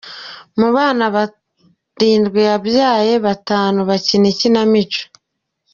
Mu bana bana barindwi yabyaye, batanu bakina ikinamico.